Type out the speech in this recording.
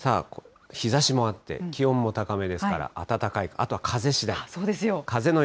日ざしもあって、気温も高めですから、暖かい、あとは風しだい。